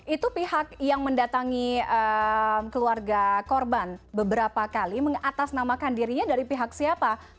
itu pihak yang mendatangi keluarga korban beberapa kali mengatasnamakan dirinya dari pihak siapa